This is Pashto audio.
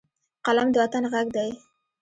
قلم د وطن غږ دی